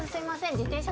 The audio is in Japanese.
自転車